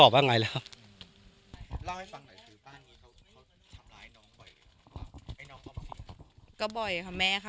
บ่อยแม่เขา